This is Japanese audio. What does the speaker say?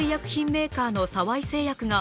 メーカーの沢井製薬が